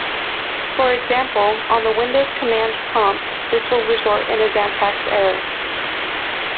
For example, on the Windows Command Prompt, this will result in a syntax error.